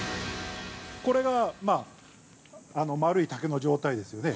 ◆これが丸い竹の状態ですよね。